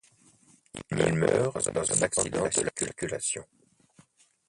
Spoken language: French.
Il meurt dans un accident de la circulation.